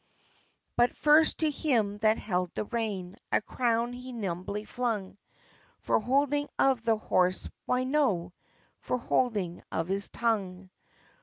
But first to him that held the rein A crown he nimbly flung: For holding of the horse? why, no For holding of his tongue.